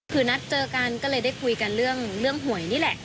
คือนัดเจอกันก็เลยได้คุยกันเรื่องหวยนี่แหละ